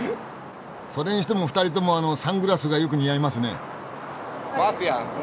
それにしても２人ともあのサングラスがよく似合いますね。